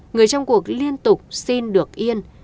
người trong cuộc liên tục xin được yên